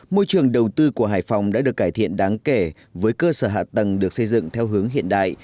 môi trường đầu tư của hải phòng đã được cải thiện đáng kể với cơ sở hạ tầng được xây dựng theo hướng hiện đại